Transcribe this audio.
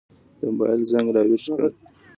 د موبایل زنګ را وېښ کړم.